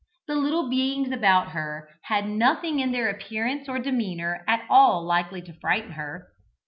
The little beings about her had nothing in their appearance or demeanour at all likely to frighten her.